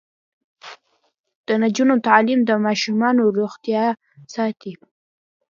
د نجونو تعلیم د ماشومانو روغتیا ساتي.